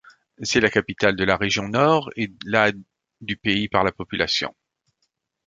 C'est la capitale de la région nord et la du pays par la population.